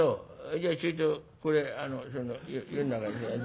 じゃちょいとこれその湯ん中に」。